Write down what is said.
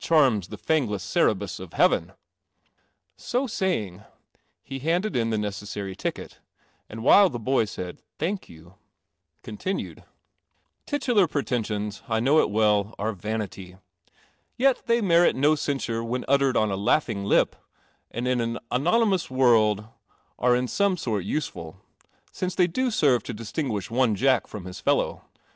um the fai Cerberus or 1 leaven he b. in the neces ticket, and, while the 1 Id 'Thank THE CELESTIAL OMNIBUS you," continued :" Titular pretensions, I know it well, are vanity. Yet they merit no censure when uttered on a laughing lip, and in an hom onymous world are in some sort useful, since they do serve to distinguish one Jack from his fellow.